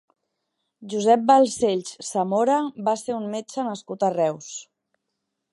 Josep Balsells Samora va ser un metge nascut a Reus.